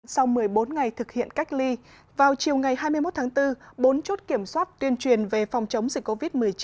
sau một mươi bốn ngày thực hiện cách ly vào chiều ngày hai mươi một tháng bốn bốn chốt kiểm soát tuyên truyền về phòng chống dịch covid một mươi chín